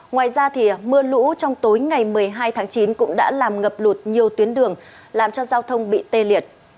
ngoài ra mưa lũ trong tối ngày một mươi hai tháng chín cũng đã làm ngập lụt nhiều tuyến đường làm cho giao thông bị tê liệt